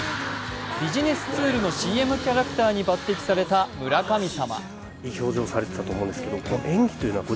ビジネスツールのＣＭキャラクターに抜てきされた村神様。